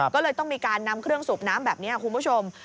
ก็เลยต้องมีการนำเครื่องสูบน้ำแบบนี้คุณผู้ชม